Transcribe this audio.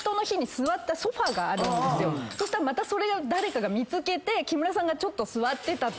そしたらまた誰かが見つけて木村さんが座ってたと。